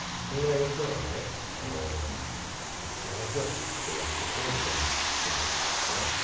そんぐらいの人なんでねそれだけはきちっとやってこうみたいなところかな。